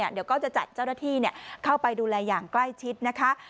เดี๋ยวก็จะจัดเจ้าหน้าที่เข้าไปดูแลอย่างใกล้ชิดนะคะ